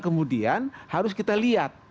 kemudian harus kita lihat